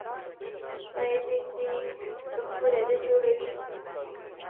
آیا دوی نوي تخمونه نه جوړوي؟